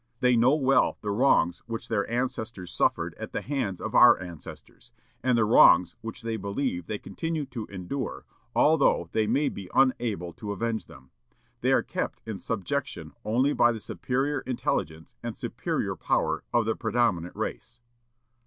They know well the wrongs which their ancestors suffered at the hands of our ancestors, and the wrongs which they believe they continue to endure, although they may be unable to avenge them. They are kept in subjection only by the superior intelligence and superior power of the predominant race."